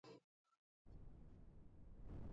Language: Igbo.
ịhụ na e mezùpụtara nke ahụ.